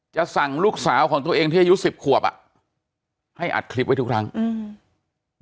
จะสั่งลูกสาวของตัวเองที่อายุสิบขวบอ่ะให้อัดคลิปไว้ทุกครั้งอืม